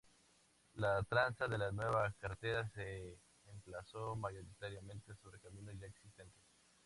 La traza de la nueva carretera se emplazó mayoritariamente sobre caminos ya existentes.